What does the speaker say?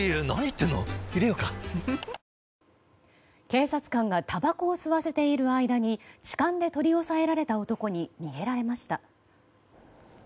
警察官がたばこを吸わせている間に痴漢で取り押さえられた男に逃げられました。